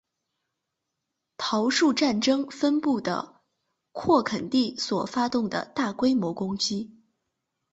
桃树战争分布的拓垦地所发动的大规模攻击。